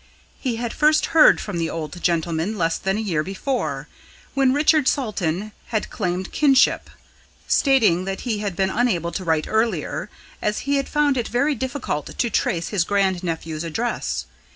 He had first heard from the old gentleman less than a year before, when Richard Salton had claimed kinship, stating that he had been unable to write earlier, as he had found it very difficult to trace his grand nephew's address.